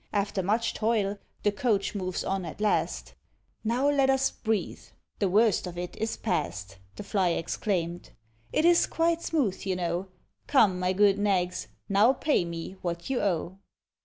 After much toil, the Coach moves on at last: "Now let us breathe; the worst of it is past," The Fly exclaimed; "it is quite smooth, you know; Come, my good nags, now pay me what you owe."